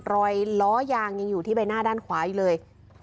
รอยล้อยางยังอยู่ที่ใบหน้าด้านขวาอยู่เลย